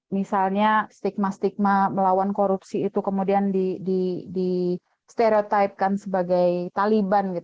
misalnya stigma stigma melawan korupsi itu kemudian di stereotipkan sebagai taliban